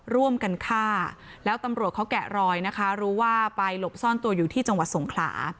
ร่วมกันฆ่าแล้วตำรวจเขาแกะรอยนะคะรู้ว่าไปหลบซ่อนตัวอยู่ที่จังหวัดสงขลา